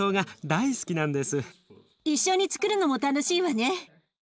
一緒につくるのも楽しいわね。